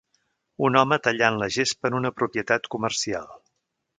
Un home tallant la gespa en una propietat comercial.